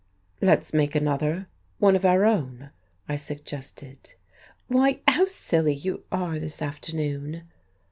"Let's make another one of our own," I suggested. "Why, how silly you are this afternoon."